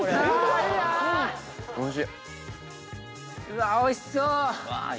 うわっおいしそう！